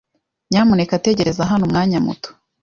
Nyamuneka tegereza hano umwanya muto.